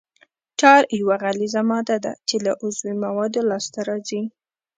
ټار یوه غلیظه ماده ده چې له عضوي موادو لاسته راځي